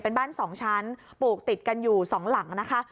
เป็นบ้าน๒ชั้นปลูกติดกันอยู่๒หลังนะคะ